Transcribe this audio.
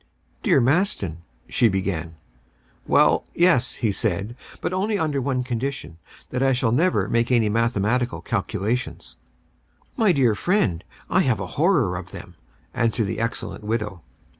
"Dear Maston" she began. "Well, yes," said he, "but only under one condition that I shall never make any mathematical calculations." "My dear friend, I have a horror of them," answered the excellent widow.